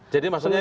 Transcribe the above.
jadi maksudnya ini